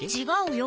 違う！